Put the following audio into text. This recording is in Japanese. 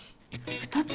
２つ？